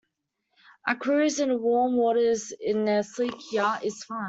A cruise in warm waters in a sleek yacht is fun.